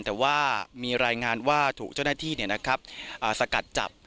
แต่ว่ามีรายงานว่าถูกเจ้าหน้าที่สกัดจับ